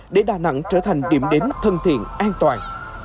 để đà nẵng trở thành điểm đến thân thiện an toàn